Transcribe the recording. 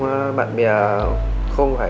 một bác sĩ khác đưa cháu vào đây